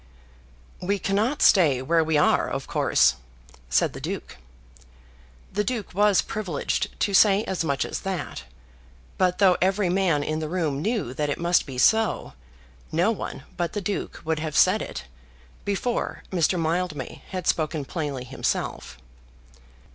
"We cannot stay where we are, of course," said the Duke. The Duke was privileged to say as much as that. But though every man in the room knew that it must be so, no one but the Duke would have said it, before Mr. Mildmay had spoken plainly himself.